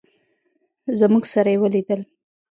زموږ سره یې ولیدل.